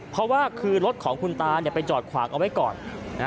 เพราะว่าคือรถของคุณตาไปจอดขวางเอาไว้ก่อน